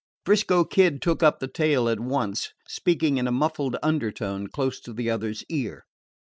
'Frisco Kid took up the tale at once, speaking in a muffled undertone close to the other's ear.